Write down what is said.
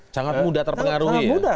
sangat mudah terpengaruhi sangat mudah